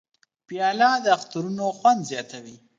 پیاله د اخترونو خوند زیاتوي.